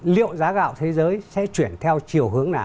liệu giá gạo thế giới sẽ chuyển theo chiều hướng nào